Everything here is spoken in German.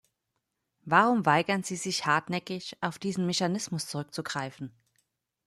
Warum weigern Sie sich hartnäckig, auf diesen Mechanismus zurückzugreifen?